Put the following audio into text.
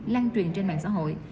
lan truyền trên mạng xã hội